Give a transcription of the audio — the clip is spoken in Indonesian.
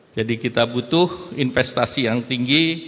jadi kita butuh investasi yang tinggi